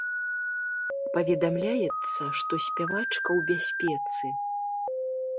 Паведамляецца, што спявачка ў бяспецы.